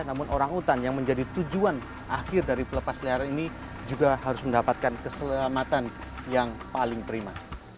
namun orang utan yang menjadi tujuan akhir dari pelepas liar ini juga harus mendapatkan keselamatan yang paling prima